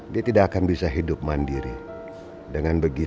dia tidak akan berpengaruh untuk mencari pekerjaan lagi